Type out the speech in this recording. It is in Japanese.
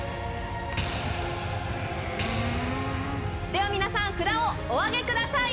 では皆さん札をお挙げください。